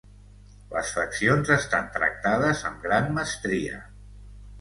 Les faccions estan tractades amb gran mestria.